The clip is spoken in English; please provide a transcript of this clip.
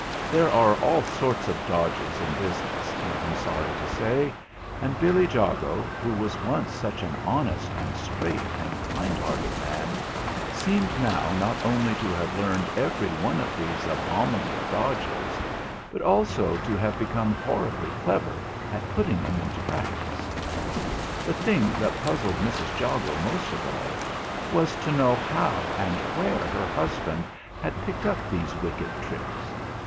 There are all sorts of dodges in business, I am sorry to say, and Billy Jago, who was once such an honest and straight and kind hearted man, seemed now not only to have learned every one of these abominable dodges, but also to have become horribly clever at putting them into practice. The thing that puzzled Mrs. Jago most of all was to know how and where her husband had picked up these wicked tricks.